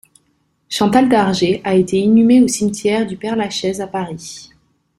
Chantal Darget a été inhumé au cimetière du Père-Lachaise à Paris.